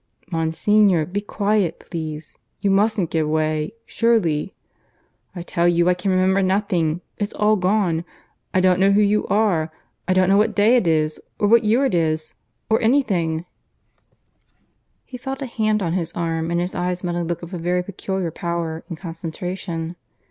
"Monsignor, be quiet, please. You mustn't give way. Surely " "I tell you I can remember nothing. ... It's all gone. I don't know who you are. I don't know what day it is, or what year it is, or anything " He felt a hand on his arm, and his eyes met a look of a very peculiar power and concentration.